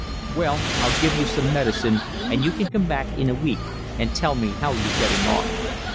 "Well, I'll give you some medicine and you can come back in a week and tell me how you're getting on."